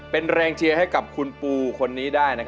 เป็นแรงเชียร์ให้กับคุณปูคนนี้ได้